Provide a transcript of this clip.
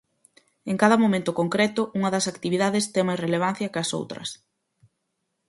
En cada momento concreto unha das actividades ten máis relevancia que as outras.